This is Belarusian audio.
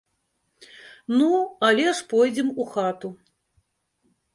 Ну, але ж пойдзем у хату.